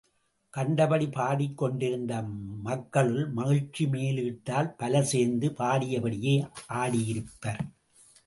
கண்டபடிப் பாடிக்கொண்டிருந்த மக்களுள், மகிழ்ச்சி மேலீட்டால் பலர் சேர்ந்து பாடியபடியே ஆடியிருப்பர்.